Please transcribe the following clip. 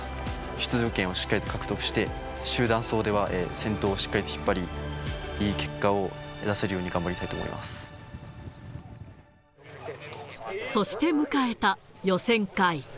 出場権をしっかりと獲得して、集団走では、先頭をしっかり引っ張り、いい結果を出せるように頑そして迎えた予選会。